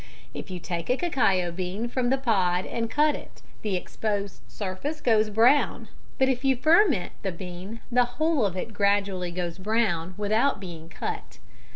If you take a cacao bean from the pod and cut it, the exposed surface goes brown, but if you ferment the bean the whole of it gradually goes brown without being cut.